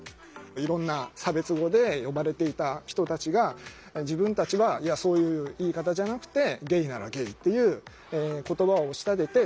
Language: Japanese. いろんな差別語で呼ばれていた人たちが自分たちはそういう言い方じゃなくてゲイならゲイっていう言葉を仕立てて。